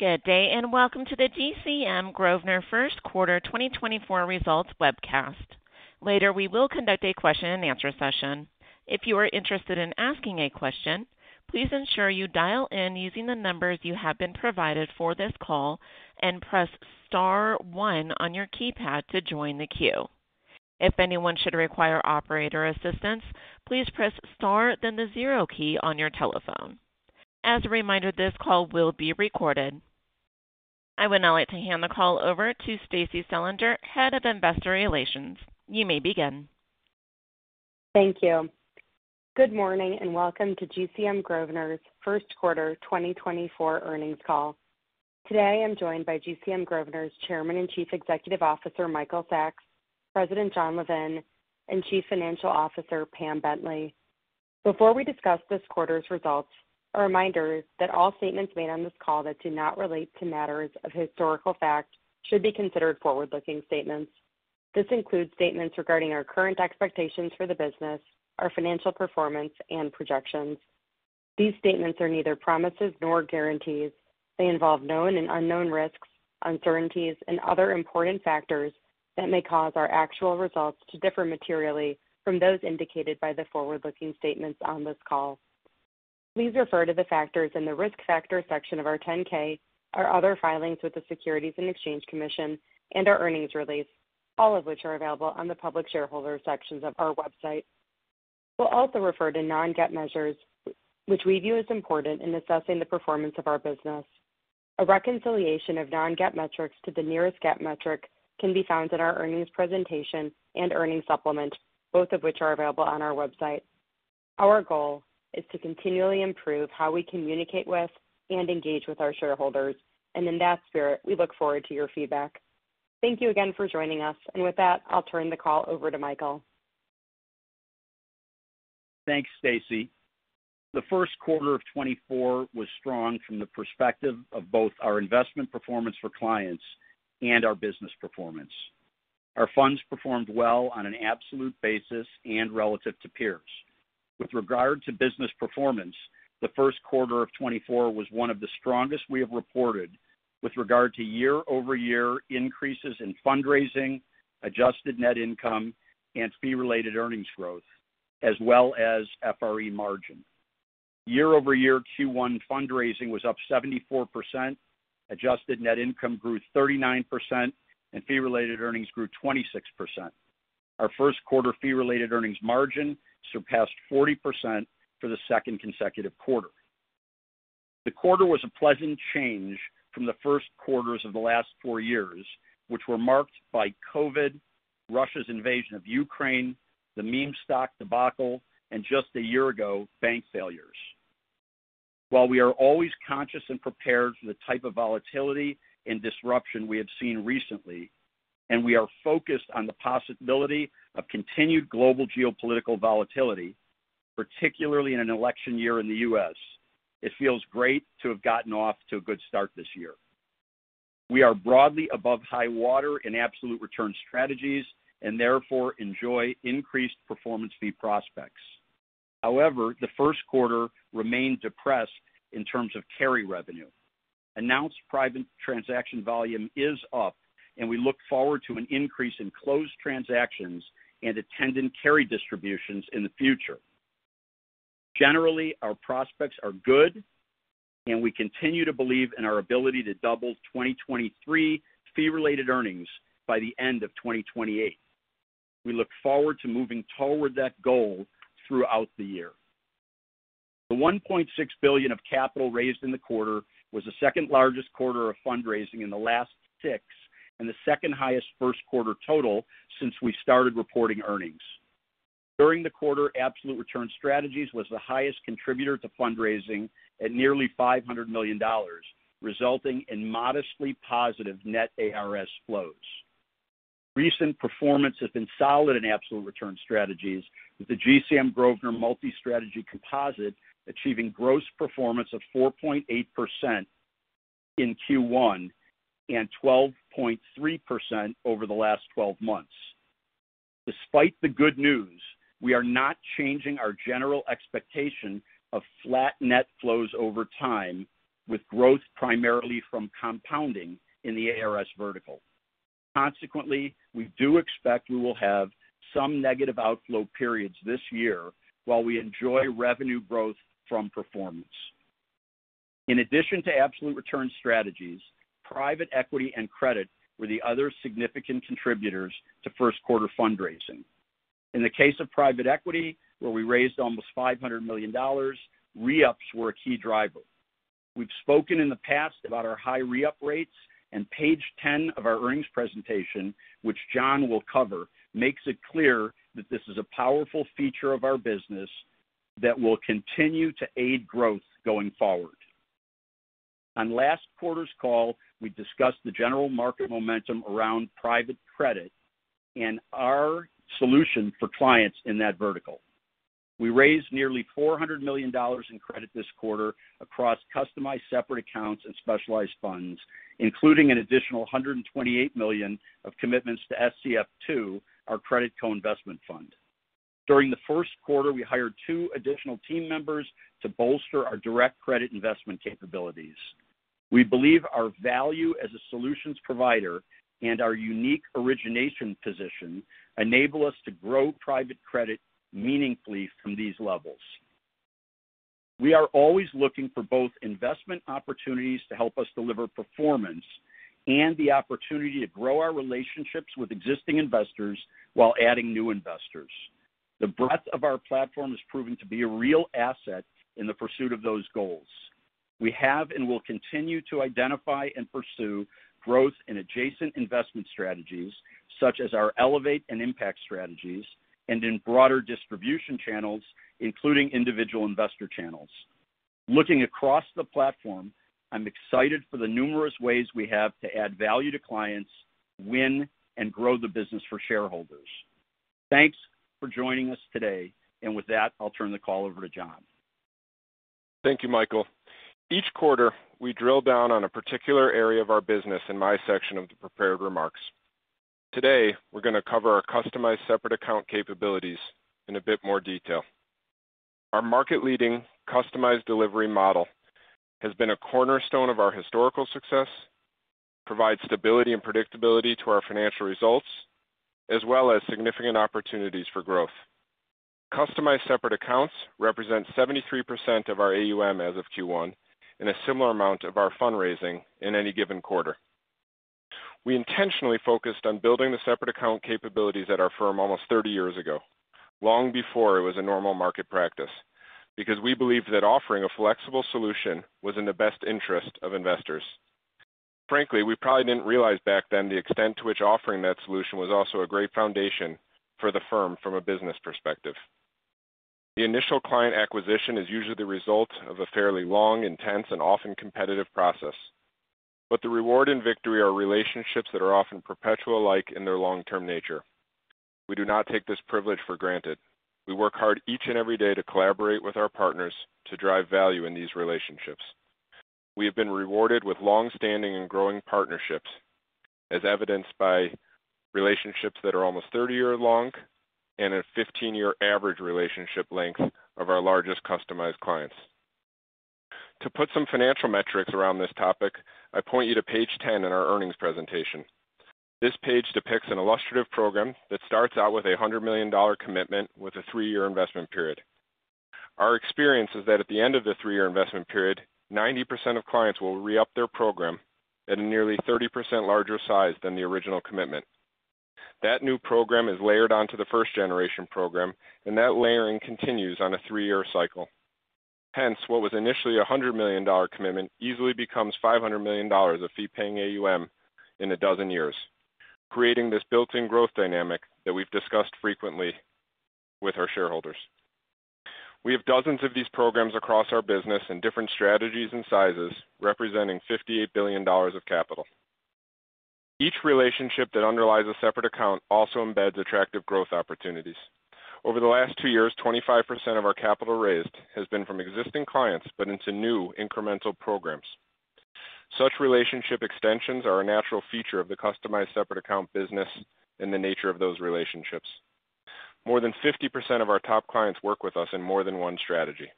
Good day, and welcome to the GCM Grosvenor First Quarter 2024 Results Webcast. Later, we will conduct a question and answer session. If you are interested in asking a question, please ensure you dial in using the numbers you have been provided for this call and press star one on your keypad to join the queue. If anyone should require operator assistance, please press star, then the zero key on your telephone. As a reminder, this call will be recorded. I would now like to hand the call over to Stacie Selinger, Head of Investor Relations. You may begin. Thank you. Good morning, and welcome to GCM Grosvenor's First Quarter 2024 earnings call. Today, I'm joined by GCM Grosvenor's Chairman and Chief Executive Officer, Michael Sacks, President Jon Levin, and Chief Financial Officer Pam Bentley. Before we discuss this quarter's results, a reminder that all statements made on this call that do not relate to matters of historical fact should be considered forward-looking statements. This includes statements regarding our current expectations for the business, our financial performance, and projections. These statements are neither promises nor guarantees. They involve known and unknown risks, uncertainties, and other important factors that may cause our actual results to differ materially from those indicated by the forward-looking statements on this call. Please refer to the factors in the Risk Factors section of our 10-K, our other filings with the Securities and Exchange Commission, and our earnings release, all of which are available on the Public Shareholders sections of our website. We'll also refer to non-GAAP measures, which we view as important in assessing the performance of our business. A reconciliation of non-GAAP metrics to the nearest GAAP metric can be found in our earnings presentation and earnings supplement, both of which are available on our website. Our goal is to continually improve how we communicate with and engage with our shareholders, and in that spirit, we look forward to your feedback. Thank you again for joining us, and with that, I'll turn the call over to Michael. Thanks, Stacie. The first quarter of 2024 was strong from the perspective of both our investment performance for clients and our business performance. Our funds performed well on an absolute basis and relative to peers. With regard to business performance, the first quarter of 2024 was one of the strongest we have reported with regard to year-over-year increases in fundraising, adjusted net income, and fee-related earnings growth, as well as FRE margin. Year-over-year Q1 fundraising was up 74%, adjusted net income grew 39%, and fee-related earnings grew 26%. Our first quarter fee-related earnings margin surpassed 40% for the second consecutive quarter. The quarter was a pleasant change from the first quarters of the last four years, which were marked by COVID, Russia's invasion of Ukraine, the meme stock debacle, and just a year ago, bank failures. While we are always conscious and prepared for the type of volatility and disruption we have seen recently, and we are focused on the possibility of continued global geopolitical volatility, particularly in an election year in the U.S., it feels great to have gotten off to a good start this year. We are broadly above high water in absolute return strategies and therefore enjoy increased performance fee prospects. However, the first quarter remained depressed in terms of carry revenue. Announced private transaction volume is up, and we look forward to an increase in closed transactions and attendant carry distributions in the future. Generally, our prospects are good, and we continue to believe in our ability to double 2023 fee-related earnings by the end of 2028. We look forward to moving toward that goal throughout the year. The $1.6 billion of capital raised in the quarter was the second largest quarter of fundraising in the last six and the second highest first quarter total since we started reporting earnings. During the quarter, Absolute Return Strategies was the highest contributor to fundraising at nearly $500 million, resulting in modestly positive net ARS flows. Recent performance has been solid in Absolute Return Strategies, with the GCM Grosvenor Multi-Strategy Composite achieving gross performance of 4.8% in Q1 and 12.3% over the last twelve months. Despite the good news, we are not changing our general expectation of flat net flows over time, with growth primarily from compounding in the ARS vertical. Consequently, we do expect we will have some negative outflow periods this year while we enjoy revenue growth from performance. In addition to absolute return strategies, private equity and credit were the other significant contributors to first-quarter fundraising. In the case of private equity, where we raised almost $500 million, re-ups were a key driver. We've spoken in the past about our high re-up rates, and page 10 of our earnings presentation, which Jon will cover, makes it clear that this is a powerful feature of our business that will continue to aid growth going forward. On last quarter's call, we discussed the general market momentum around private credit and our solution for clients in that vertical. We raised nearly $400 million in credit this quarter across customized separate accounts and specialized funds, including an additional $128 million of commitments to SCF II, our credit co-investment fund. During the first quarter, we hired two additional team members to bolster our direct credit investment capabilities. We believe our value as a solutions provider and our unique origination position enable us to grow private credit meaningfully from these levels. We are always looking for both investment opportunities to help us deliver performance and the opportunity to grow our relationships with existing investors while adding new investors. The breadth of our platform has proven to be a real asset in the pursuit of those goals. We have and will continue to identify and pursue growth in adjacent investment strategies, such as our Elevate and Impact strategies, and in broader distribution channels, including individual investor channels. Looking across the platform, I'm excited for the numerous ways we have to add value to clients, win, and grow the business for shareholders. Thanks for joining us today. With that, I'll turn the call over to Jon. Thank you, Michael. Each quarter, we drill down on a particular area of our business in my section of the prepared remarks. Today, we're gonna cover our customized separate account capabilities in a bit more detail. Our market-leading customized delivery model has been a cornerstone of our historical success, provides stability and predictability to our financial results, as well as significant opportunities for growth. Customized separate accounts represent 73% of our AUM as of Q1, and a similar amount of our fundraising in any given quarter. We intentionally focused on building the separate account capabilities at our firm almost 30 years ago, long before it was a normal market practice, because we believed that offering a flexible solution was in the best interest of investors. Frankly, we probably didn't realize back then the extent to which offering that solution was also a great foundation for the firm from a business perspective. The initial client acquisition is usually the result of a fairly long, intense, and often competitive process. But the reward and victory are relationships that are often perpetual-like in their long-term nature. We do not take this privilege for granted. We work hard each and every day to collaborate with our partners to drive value in these relationships. We have been rewarded with long-standing and growing partnerships, as evidenced by relationships that are almost 30-year long and a 15-year average relationship length of our largest customized clients. To put some financial metrics around this topic, I point you to page 10 in our earnings presentation. This page depicts an illustrative program that starts out with a $100 million commitment with a three-year investment period. Our experience is that at the end of the three-year investment period, 90% of clients will re-up their program at a nearly 30% larger size than the original commitment. That new program is layered onto the first-generation program, and that layering continues on a three-year cycle. Hence, what was initially a $100 million commitment easily becomes $500 million of fee-paying AUM in 12 years, creating this built-in growth dynamic that we've discussed frequently with our shareholders. We have dozens of these programs across our business in different strategies and sizes, representing $58 billion of capital. Each relationship that underlies a separate account also embeds attractive growth opportunities. Over the last two years, 25% of our capital raised has been from existing clients, but into new incremental programs. Such relationship extensions are a natural feature of the customized separate account business and the nature of those relationships. More than 50% of our top clients work with us in more than one strategy.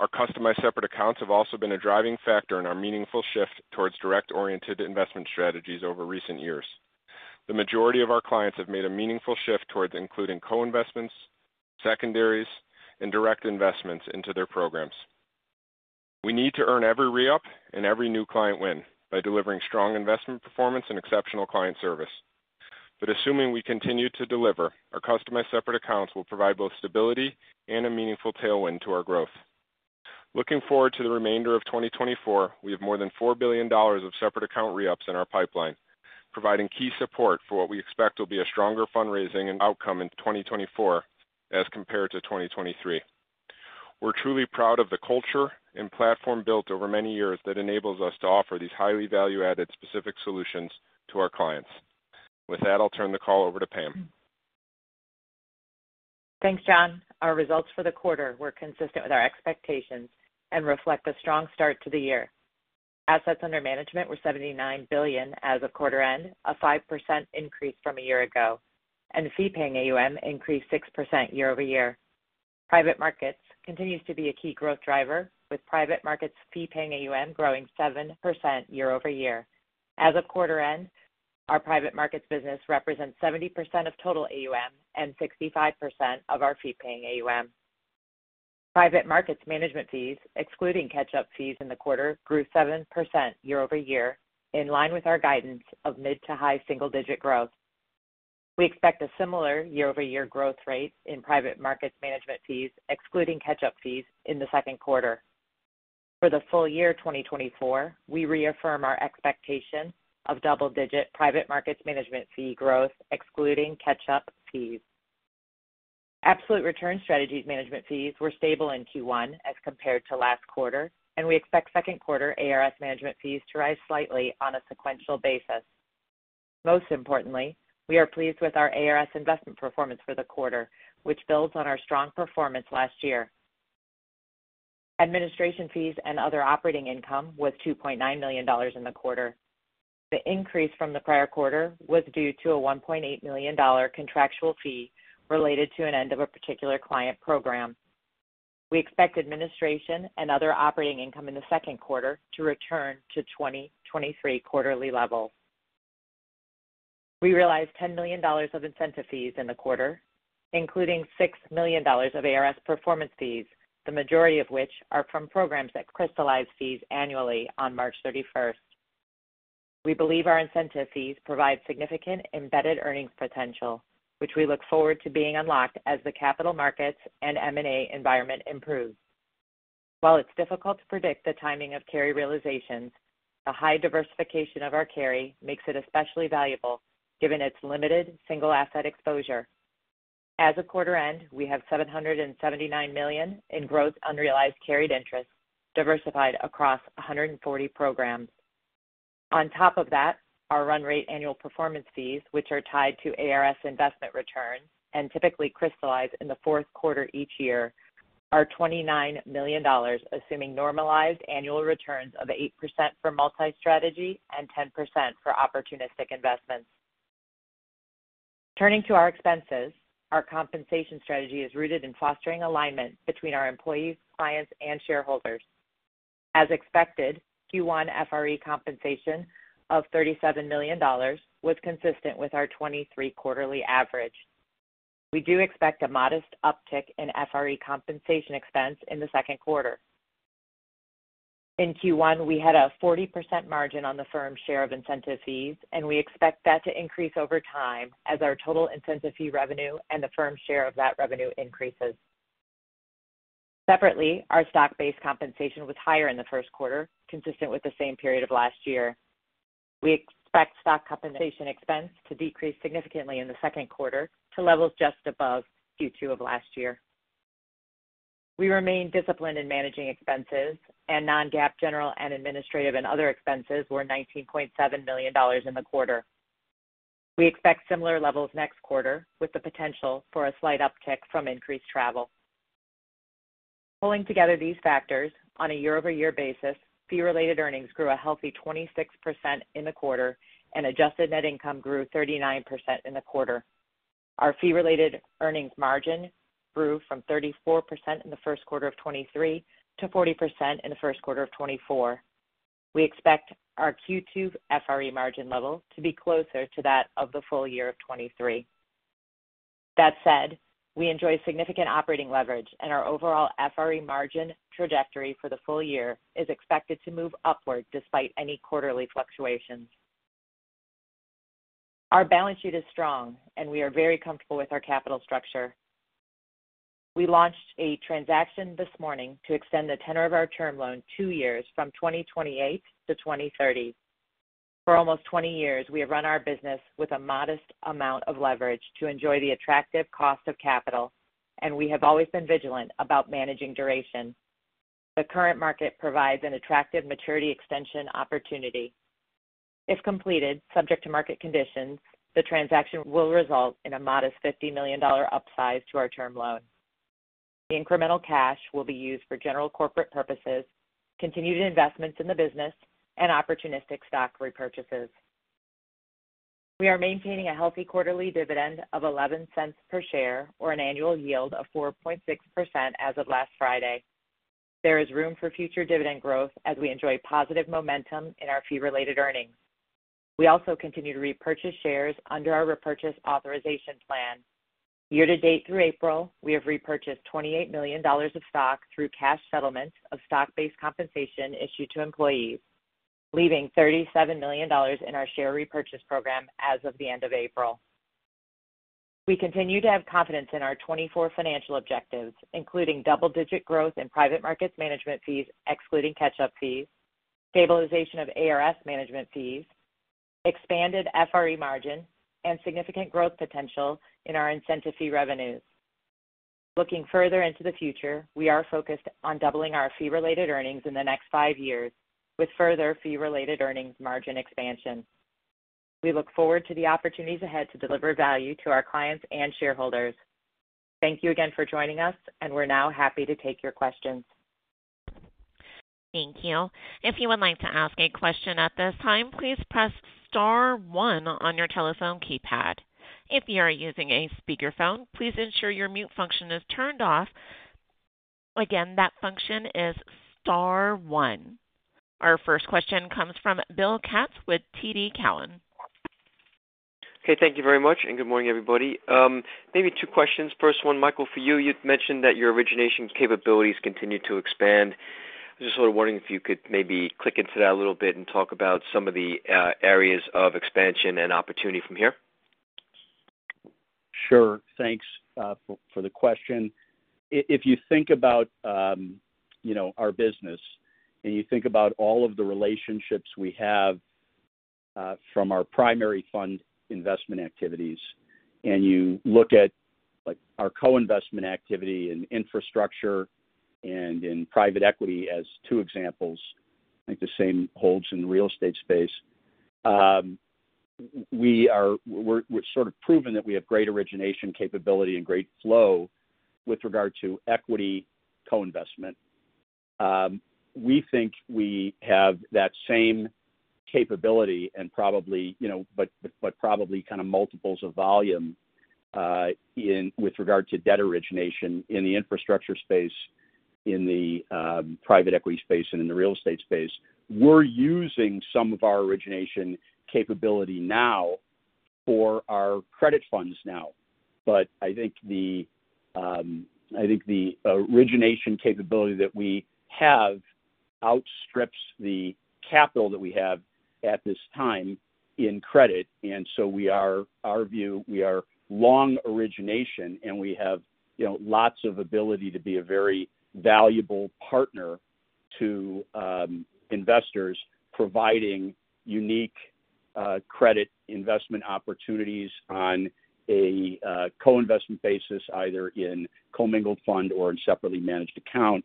Our customized separate accounts have also been a driving factor in our meaningful shift towards direct-oriented investment strategies over recent years. The majority of our clients have made a meaningful shift towards including co-investments, secondaries, and direct investments into their programs. We need to earn every re-up and every new client win by delivering strong investment performance and exceptional client service. But assuming we continue to deliver, our customized separate accounts will provide both stability and a meaningful tailwind to our growth. Looking forward to the remainder of 2024, we have more than $4 billion of separate account re-ups in our pipeline, providing key support for what we expect will be a stronger fundraising and outcome in 2024 as compared to 2023. We're truly proud of the culture and platform built over many years that enables us to offer these highly value-added, specific solutions to our clients. With that, I'll turn the call over to Pam. Thanks, Jon. Our results for the quarter were consistent with our expectations and reflect a strong start to the year. Assets under management were $79 billion as of quarter end, a 5% increase from a year ago, and fee-paying AUM increased 6% year-over-year. Private markets continues to be a key growth driver, with private markets fee-paying AUM growing 7% year-over-year. As of quarter end, our private markets business represents 70% of total AUM and 65% of our fee-paying AUM. Private markets management fees, excluding catch-up fees in the quarter, grew 7% year-over-year, in line with our guidance of mid- to high single-digit growth. We expect a similar year-over-year growth rate in private markets management fees, excluding catch-up fees, in the second quarter. For the full year 2024, we reaffirm our expectation of double-digit private markets management fee growth, excluding catch-up fees. Absolute Return Strategies management fees were stable in Q1 as compared to last quarter, and we expect second-quarter ARS management fees to rise slightly on a sequential basis. Most importantly, we are pleased with our ARS investment performance for the quarter, which builds on our strong performance last year. Administration fees and other operating income was $2.9 million in the quarter. The increase from the prior quarter was due to a $1.8 million contractual fee related to an end of a particular client program. We expect administration and other operating income in the second quarter to return to 2023 quarterly levels. We realized $10 million of incentive fees in the quarter, including $6 million of ARS performance fees, the majority of which are from programs that crystallize fees annually on March 31st. We believe our incentive fees provide significant embedded earnings potential, which we look forward to being unlocked as the capital markets and M&A environment improves. While it's difficult to predict the timing of carry realizations, the high diversification of our carry makes it especially valuable, given its limited single asset exposure. As of quarter end, we have $779 million in gross unrealized carried interest, diversified across 140 programs. On top of that, our run-rate annual performance fees, which are tied to ARS investment returns and typically crystallize in the fourth quarter each year, are $29 million, assuming normalized annual returns of 8% for multi-strategy and 10% for opportunistic investments. Turning to our expenses, our compensation strategy is rooted in fostering alignment between our employees, clients, and shareholders. As expected, Q1 FRE compensation of $37 million was consistent with our $23 million quarterly average. We do expect a modest uptick in FRE compensation expense in the second quarter. In Q1, we had a 40% margin on the firm's share of incentive fees, and we expect that to increase over time as our total incentive fee revenue and the firm's share of that revenue increases. Separately, our stock-based compensation was higher in the first quarter, consistent with the same period of last year. We expect stock compensation expense to decrease significantly in the second quarter to levels just above Q2 of last year. We remain disciplined in managing expenses, and non-GAAP, general and administrative and other expenses were $19.7 million in the quarter. We expect similar levels next quarter, with the potential for a slight uptick from increased travel. Pulling together these factors on a year-over-year basis, fee-related earnings grew a healthy 26% in the quarter and adjusted net income grew 39% in the quarter. Our fee-related earnings margin grew from 34% in the first quarter of 2023 to 40% in the first quarter of 2024. We expect our Q2 FRE margin level to be closer to that of the full year of 2023. That said, we enjoy significant operating leverage, and our overall FRE margin trajectory for the full year is expected to move upward despite any quarterly fluctuations. Our balance sheet is strong, and we are very comfortable with our capital structure. We launched a transaction this morning to extend the tenor of our term loan two years from 2028 -2030. For almost 20 years, we have run our business with a modest amount of leverage to enjoy the attractive cost of capital, and we have always been vigilant about managing duration. The current market provides an attractive maturity extension opportunity. If completed, subject to market conditions, the transaction will result in a modest $50 million upsize to our term loan. The incremental cash will be used for general corporate purposes, continued investments in the business, and opportunistic stock repurchases. We are maintaining a healthy quarterly dividend of 11 cents per share, or an annual yield of 4.6% as of last Friday. There is room for future dividend growth as we enjoy positive momentum in our fee-related earnings. We also continue to repurchase shares under our repurchase authorization plan. Year to date through April, we have repurchased $28 million of stock through cash settlements of stock-based compensation issued to employees, leaving $37 million in our share repurchase program as of the end of April. We continue to have confidence in our 2024 financial objectives, including double-digit growth in private markets management fees, excluding catch-up fees, stabilization of ARS management fees, expanded FRE margin, and significant growth potential in our incentive fee revenues. Looking further into the future, we are focused on doubling our fee-related earnings in the next five years with further fee-related earnings margin expansion. We look forward to the opportunities ahead to deliver value to our clients and shareholders. Thank you again for joining us, and we're now happy to take your questions. Thank you. If you would like to ask a question at this time, please press star one on your telephone keypad. If you are using a speakerphone, please ensure your mute function is turned off. Again, that function is star one. Our first question comes from Bill Katz with TD Cowen. Okay, thank you very much, and good morning, everybody. Maybe two questions. First one, Michael, for you. You've mentioned that your origination capabilities continue to expand. Just sort of wondering if you could maybe click into that a little bit and talk about some of the areas of expansion and opportunity from here. Sure. Thanks for the question. If you think about our business and you think about all of the relationships we have from our primary fund investment activities, and you look at, like, our co-investment activity in infrastructure and in private equity as two examples, I think the same holds in the real estate space. We are, we're, we're sort of proven that we have great origination capability and great flow with regard to equity co-investment. We think we have that same capability and probably, you know, but, but probably kind of multiples of volume, in with regard to debt origination in the infrastructure space, in the private equity space, and in the real estate space. We're using some of our origination capability now for our credit funds now, but I think the, I think the origination capability that we have outstrips the capital that we have at this time in credit, and so we are, our view, we are long origination, and we have, you know, lots of ability to be a very valuable partner to investors, providing unique credit investment opportunities on a co-investment basis, either in commingled fund or in separately managed account.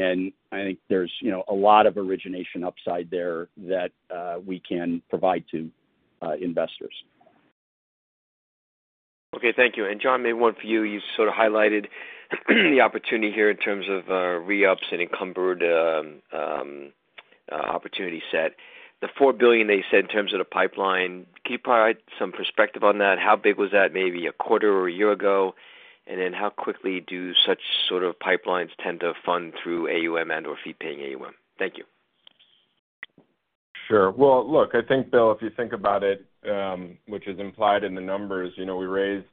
I think there's, you know, a lot of origination upside there that we can provide to investors. Okay, thank you. And Jon, maybe one for you. You sort of highlighted the opportunity here in terms of re-ups and encumbered opportunity set. The $4 billion that you said in terms of the pipeline, can you provide some perspective on that? How big was that, maybe a quarter or a year ago? And then how quickly do such sort of pipelines tend to fund through AUM and/or fee paying AUM? Thank you. Sure. Well, look, I think, Bill, if you think about it, which is implied in the numbers, you know, we raised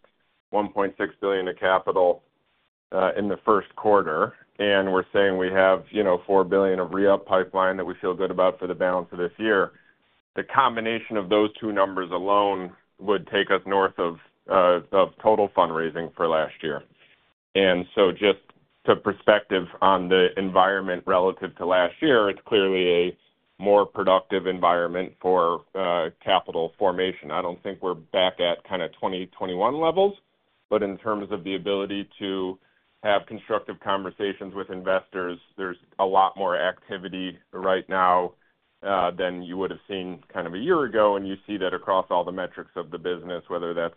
$1.6 billion of capital in the first quarter, and we're saying we have, you know, $4 billion of re-up pipeline that we feel good about for the balance of this year. The combination of those two numbers alone would take us north of total fundraising for last year. And so just to perspective on the environment relative to last year, it's clearly a more productive environment for capital formation. I don't think we're back at kind of 2021 levels, but in terms of the ability to have constructive conversations with investors, there's a lot more activity right now than you would have seen kind of a year ago, and you see that across all the metrics of the business, whether that's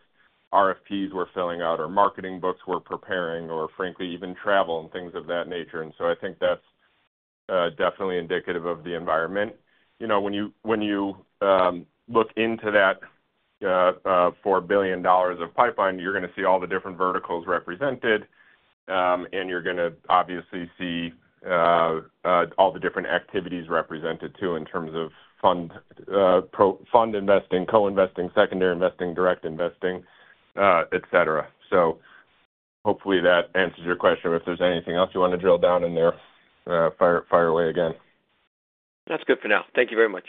RFPs we're filling out or marketing books we're preparing, or frankly, even travel and things of that nature. And so I think that's definitely indicative of the environment. You know, when you look into that $4 billion of pipeline, you're gonna see all the different verticals represented, and you're gonna obviously see all the different activities represented too, in terms of fund investing, co-investing, secondary investing, direct investing, et cetera. So hopefully that answers your question, or if there's anything else you want to drill down in there, fire away again. That's good for now. Thank you very much.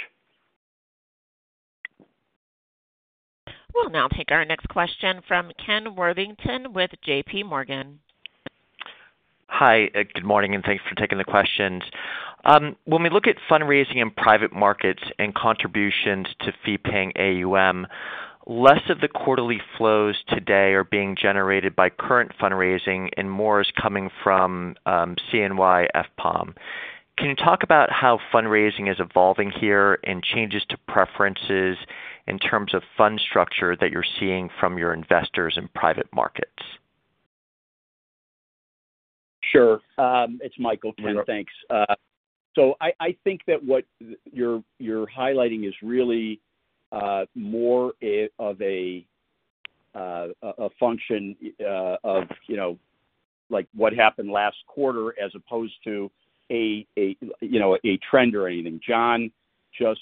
We'll now take our next question from Ken Worthington with J.P. Morgan. Hi, good morning, and thanks for taking the questions. When we look at fundraising in private markets and contributions to fee-paying AUM, less of the quarterly flows today are being generated by current fundraising, and more is coming from, CNY FPAUM. Can you talk about how fundraising is evolving here and changes to preferences in terms of fund structure that you're seeing from your investors in private markets? Sure. It's Michael, Ken. Thanks. So I think that what you're highlighting is really more a function of, you know, like, what happened last quarter, as opposed to a, you know, a trend or anything. Jon just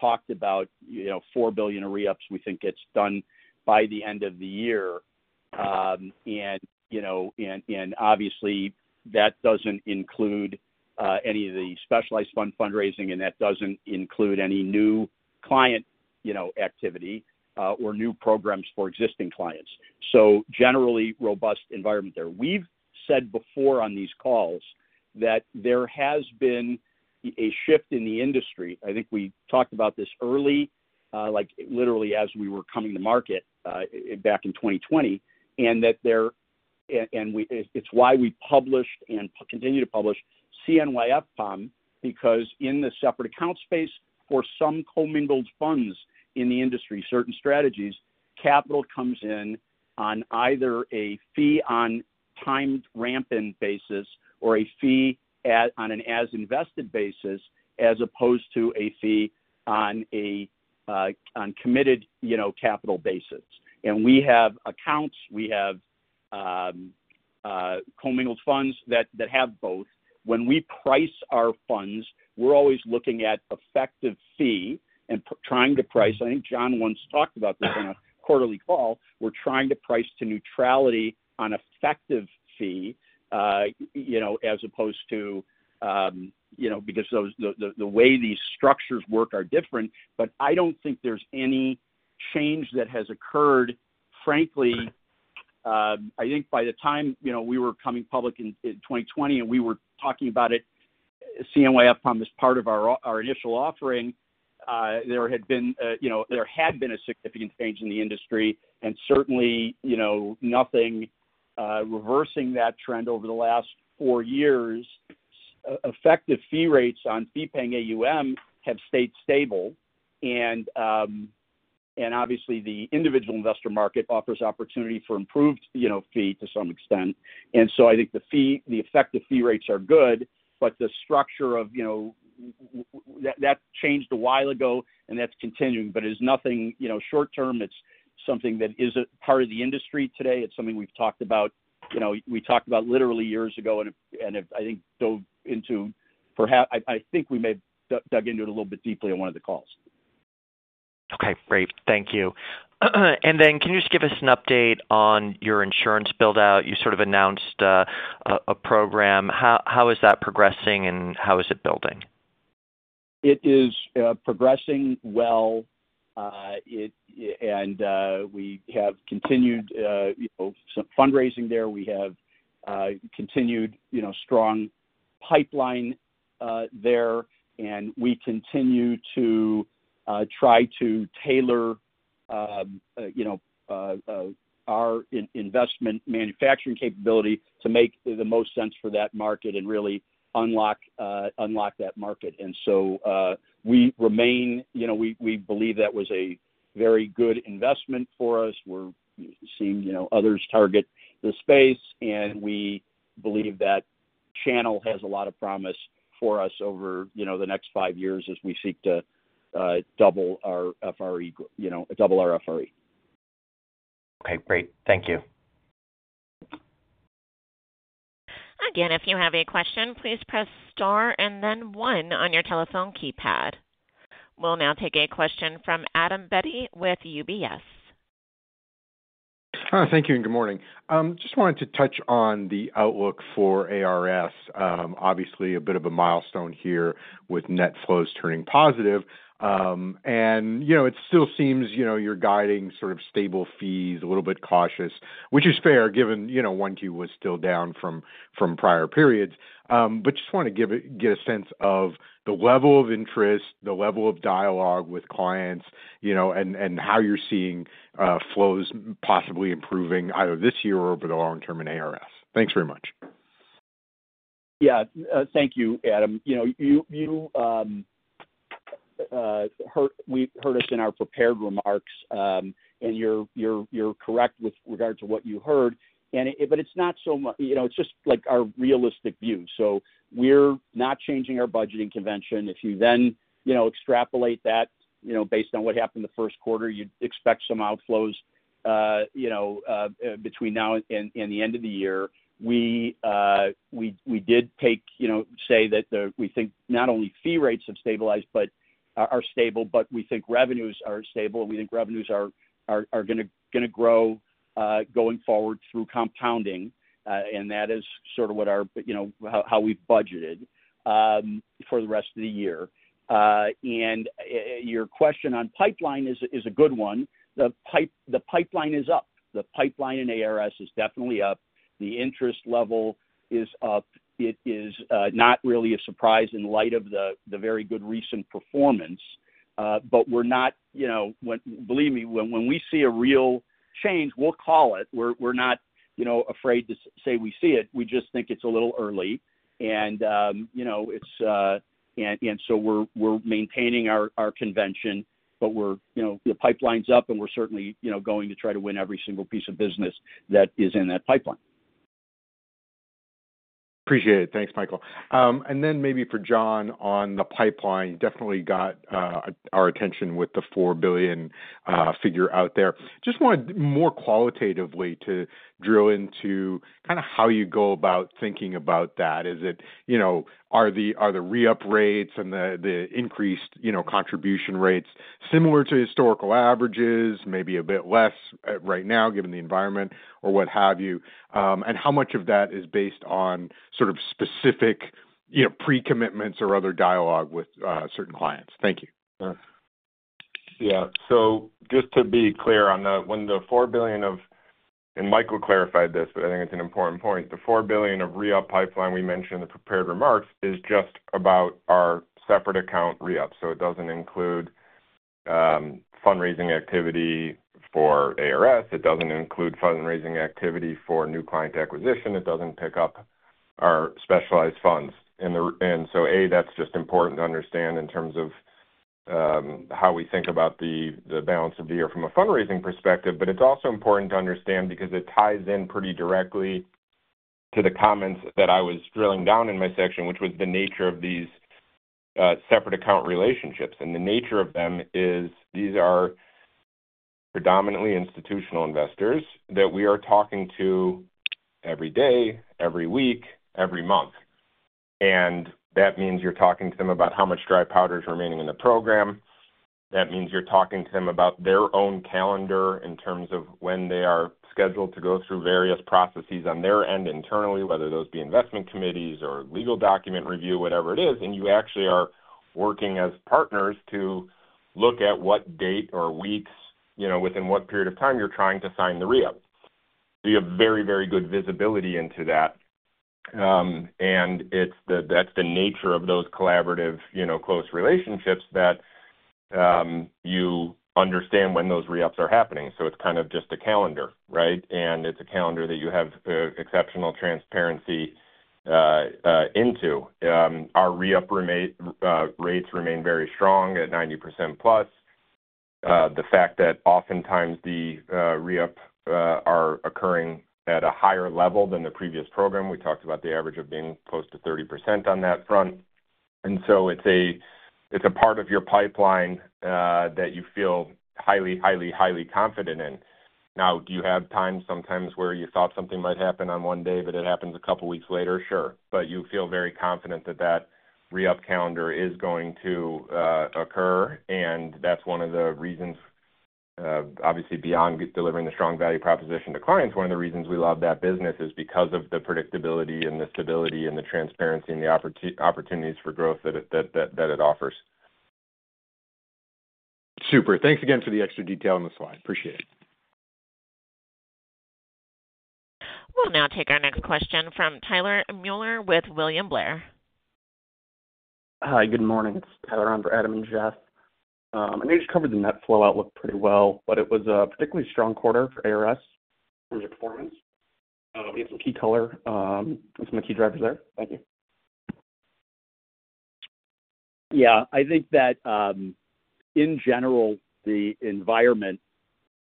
talked about you know $4 billion in re-ups we think gets done by the end of the year. And obviously, that doesn't include any of the specialized fund fundraising, and that doesn't include any new client activity, or new programs for existing clients. So generally, robust environment there. We've said before on these calls that there has been a shift in the industry. I think we talked about this early, like, literally as we were coming to market back in 2020. And we, it's why we published and continue to publish CNY FPOM, because in the separate account space, for some commingled funds in the industry, certain strategies, capital comes in on either a fee on timed ramping basis or a fee on an as-invested basis, as opposed to a fee on a committed capital basis. And we have accounts, we have commingled funds that have both. When we price our funds, we're always looking at effective fee and trying to price. I think Jon once talked about this on a quarterly call. We're trying to price to neutrality on effective fee, you know, as opposed to, you know, because those, the way these structures work are different. But I don't think there's any change that has occurred, frankly. I think by the time, you know, we were coming public in 2020, and we were talking about it, CNY FPOM as part of our initial offering, there had been, you know, there had been a significant change in the industry, and certainly, you know, nothing reversing that trend over the last four years. Effective fee rates on fee-paying AUM have stayed stable. And obviously the individual investor market offers opportunity for improved, you know, fee to some extent. And so I think the fee, the effective fee rates are good, but the structure of, you know, that that changed a while ago, and that's continuing, but it's nothing, you know, short term. It's something that is a part of the industry today. It's something we've talked about. You know, we talked about literally years ago, and I think dove into perhaps, I think we may dug, into it a little bit deeply on one of the calls. Okay, great. Thank you. And then, can you just give us an update on your insurance build-out? You sort of announced a program. How is that progressing, and how is it building? It is progressing well. It and we have continued you know some fundraising there. We have continued you know strong pipeline there, and we continue to try to tailor you know our investment manufacturing capability to make the most sense for that market and really unlock that market. And so we remain you know we believe that was a very good investment for us. We're seeing you know others target the space, and we believe that channel has a lot of promise for us over you know the next five years as we seek to double our FRE you know double our FRE. Okay, great. Thank you. Again, if you have a question, please press star and then one on your telephone keypad. We'll now take a question from Adam Beatty with UBS. Thank you, and good morning. Just wanted to touch on the outlook for ARS. Obviously a bit of a milestone here with net flows turning positive. And, you know, it still seems, you know, you're guiding sort of stable fees, a little bit cautious, which is fair, given, you know, one Q was still down from prior periods. But just want to get a sense of the level of interest, the level of dialogue with clients, you know, and, and how you're seeing flows possibly improving, either this year or over the long term in ARS. Thanks very much. Yeah, thank you, Adam. You know, you heard us in our prepared remarks, and you're correct with regard to what you heard, and it. But it's not so much, you know, it's just, like, our realistic view. So we're not changing our budgeting convention. If you then, you know, extrapolate that, you know, based on what happened in the first quarter, you'd expect some outflows, you know, between now and the end of the year. We did take, you know, say that the, we think not only fee rates have stabilized, but are stable, but we think revenues are stable, and we think revenues are gonna grow, going forward through compounding. And that is sort of what our, you know, how we've budgeted for the rest of the year. And your question on pipeline is a good one. The pipeline is up. The pipeline in ARS is definitely up. The interest level is up. It is not really a surprise in light of the very good recent performance. Believe me, when we see a real change, we'll call it. We're not, you know, afraid to say we see it. We just think it's a little early, and so we're maintaining our convention, but we're, you know, the pipeline's up, and we're certainly, you know, going to try to win every single piece of business that is in that pipeline. Appreciate it. Thanks, Michael. And then maybe for Jon on the pipeline, definitely got our attention with the $4 billion figure out there. Just wanted more qualitatively to drill into kind of how you go about thinking about that. Is it, you know, are the re-up rates and the increased, you know, contribution rates similar to historical averages, maybe a bit less right now, given the environment or what have you? And how much of that is based on sort of specific, you know, pre-commitments or other dialogue with certain clients? Thank you. Yeah. So just to be clear on the, when the $4 billion, and Michael clarified this, but I think it's an important point. The $4 billion of re-up pipeline we mentioned in the prepared remarks is just about our separate account re-ups. So it doesn't include, fundraising activity for ARS. It doesn't include fundraising activity for new client acquisition. It doesn't pick up our specialized funds. And so, that's just important to understand in terms of, how we think about the balance of the year from a fundraising perspective. But it's also important to understand because it ties in pretty directly to the comments that I was drilling down in my section, which was the nature of these separate account relationships. The nature of them is, these are predominantly institutional investors that we are talking to every day, every week, every month. That means you're talking to them about how much dry powder is remaining in the program. That means you're talking to them about their own calendar in terms of when they are scheduled to go through various processes on their end internally, whether those be investment committees or legal document review, whatever it is. You actually are working as partners to look at what date or weeks, you know, within what period of time you're trying to sign the re-up. We have very, very good visibility into that. It's, that's the nature of those collaborative, you know, close relationships that you understand when those re-ups are happening, so it's kind of just a calendar, right? And it's a calendar that you have exceptional transparency into. Our re-up rates remain very strong at 90%+. The fact that oftentimes the re-up are occurring at a higher level than the previous program, we talked about the average of being close to 30% on that front. And so it's a part of your pipeline that you feel highly confident in. Now, do you have times sometimes where you thought something might happen on one day, but it happens a couple of weeks later? Sure. But you feel very confident that the re-up calendar is going to occur, and that's one of the reasons, obviously, beyond delivering the strong value proposition to clients, one of the reasons we love that business is because of the predictability and the stability and the transparency and the opportunities for growth that it offers. Super. Thanks again for the extra detail on the slide. Appreciate it. We'll now take our next question from Tyler Mueller with William Blair. Hi, good morning. It's Tyler on for Adam and Jeff. I know you covered the net flow outlook pretty well, but it was a particularly strong quarter for ARS from your performance. Can you give some key color, and some of the key drivers there? Thank you. Yeah, I think that, in general, the environment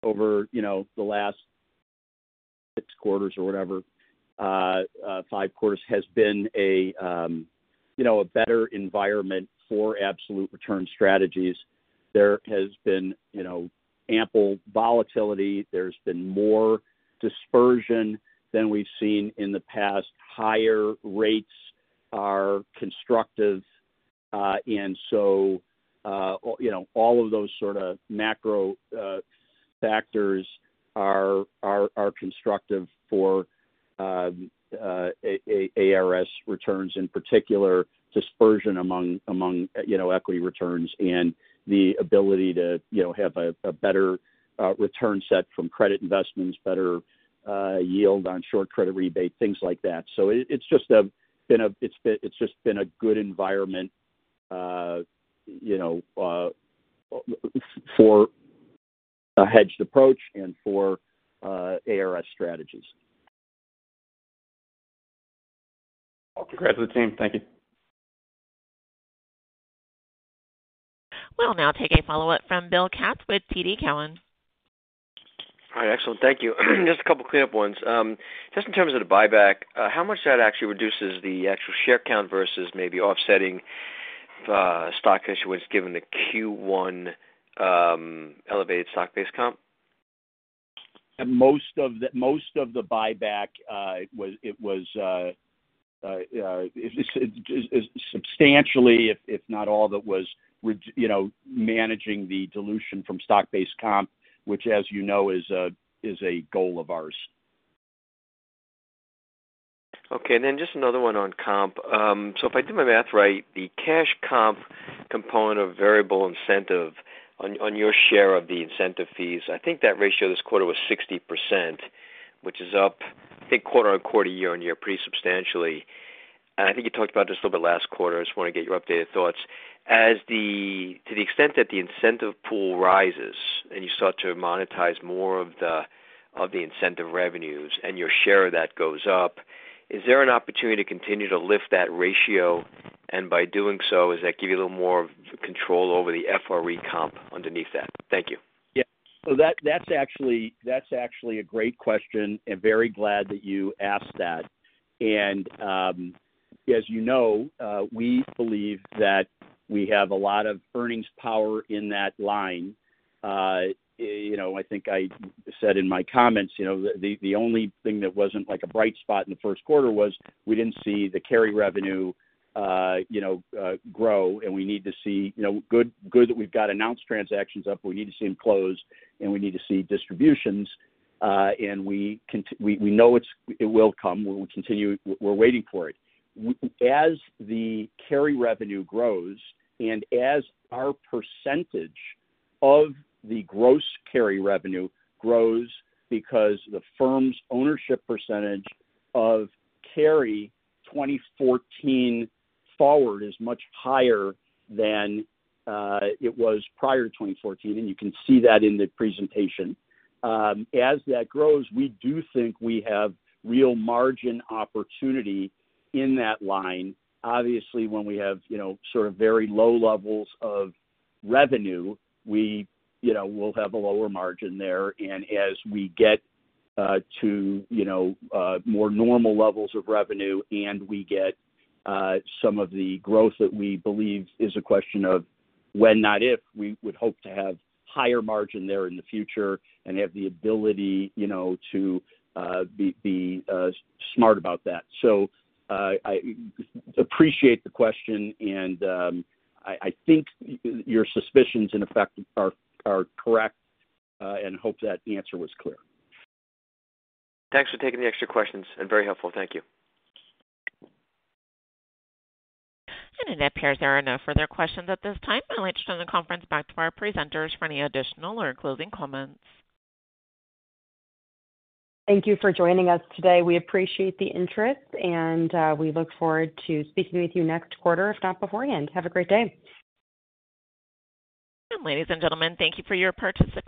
over, you know, the last 6 quarters or whatever, five quarters, has been a, you know, a better environment for absolute return strategies. There has been, you know, ample volatility. There's been more dispersion than we've seen in the past. Higher rates are constructive, and so, you know, all of those sort of macro factors are constructive for ARS returns, in particular, dispersion among, you know, equity returns and the ability to, you know, have a better return set from credit investments, better yield on short credit rebate, things like that. So it, it's just been a good environment, you know, for a hedged approach and for ARS strategies. Well, congrats to the team. Thank you. We'll now take a follow-up from Bill Katz with TD Cowen. All right. Excellent. Thank you. Just a couple clear-up ones. Just in terms of the buyback, how much that actually reduces the actual share count versus maybe offsetting stock issuance, given the Q1 elevated stock-based comp? Most of the buyback is substantially, if not all, that was reducing, you know, managing the dilution from stock-based comp, which, as you know, is a goal of ours. Okay, and then just another one on comp. So if I did my math right, the cash comp component of variable incentive on, on your share of the incentive fees, I think that ratio this quarter was 60%, which is up, I think, quarter-over-quarter, year-over-year, pretty substantially. And I think you talked about this a little bit last quarter. I just want to get your updated thoughts. To the extent that the incentive pool rises and you start to monetize more of the, of the incentive revenues and your share of that goes up, is there an opportunity to continue to lift that ratio? And by doing so, does that give you a little more control over the FRE comp underneath that? Thank you. Yeah. So that's actually a great question, and I'm very glad that you asked that. And, as you know, we believe that we have a lot of earnings power in that line. You know, I think I said in my comments, you know, the only thing that wasn't like a bright spot in the first quarter was we didn't see the carry revenue grow, and we need to see, you know, it's good that we've got announced transactions up, we need to see them close, and we need to see distributions, and we know it will come. We'll continue. We're waiting for it. As the carry revenue grows and as our percentage of the gross carry revenue grows because the firm's ownership percentage of carry 2014 forward is much higher than it was prior to 2014, and you can see that in the presentation. As that grows, we do think we have real margin opportunity in that line. Obviously, when we have, you know, sort of very low levels of revenue, we, you know, will have a lower margin there. And as we get to, you know, more normal levels of revenue and we get some of the growth that we believe is a question of when, not if, we would hope to have higher margin there in the future and have the ability, you know, to be smart about that. I appreciate the question, and I think your suspicions in effect are correct, and hope that the answer was clear. Thanks for taking the extra questions, and very helpful. Thank you. It appears there are no further questions at this time. I'll turn the conference back to our presenters for any additional or closing comments. Thank you for joining us today. We appreciate the interest, and we look forward to speaking with you next quarter, if not beforehand. Have a great day. Ladies and gentlemen, thank you for your participation.